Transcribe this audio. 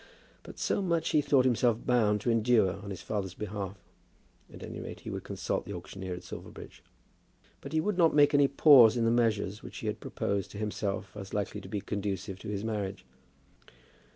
But so much he thought himself bound to endure on his father's behalf. At any rate, he would consult the auctioneer at Silverbridge. But he would not make any pause in the measures which he had proposed to himself as likely to be conducive to his marriage.